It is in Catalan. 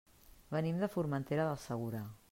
Venim de Formentera del Segura.